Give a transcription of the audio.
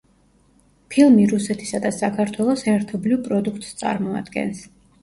ფილმი რუსეთისა და საქართველოს ერთობლივ პროდუქტს წარმოადგენს.